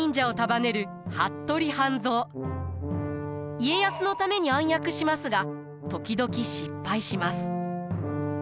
家康のために暗躍しますが時々失敗します。